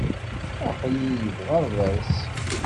Aql-iyi deg uɣerbaz.